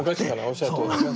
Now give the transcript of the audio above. おっしゃるとおり。